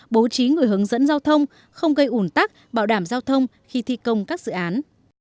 bố trí người hướng dẫn giao thông không gây ủn tắc bảo đảm giao thông khi thi công các dự án